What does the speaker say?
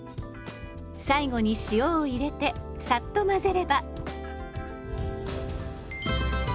最後に塩を入れてさっと混ぜれば。